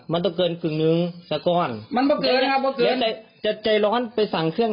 ผมถึงจะสั่งเครื่อง